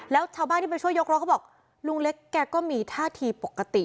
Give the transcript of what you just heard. แล้วชาวบ้านที่ไปช่วยยกรถเขาบอกลุงเล็กแกก็มีท่าทีปกติ